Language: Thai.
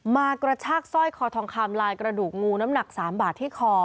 มากระชากสร้อยคอทองคำลายกระดูกงูน้ำหนัก๓บาทที่คอ